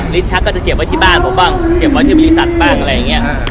ลิ้นชักก็จะเก็บไว้ที่บ้านผมบ้างเก็บไว้ที่บริษัทบ้างไรเงี่ย